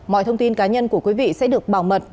mọi thông tin cá nhân của quý vị sẽ được bảo mật